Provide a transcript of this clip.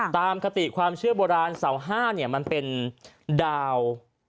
คติความเชื่อโบราณเสาห้าเนี่ยมันเป็นดาว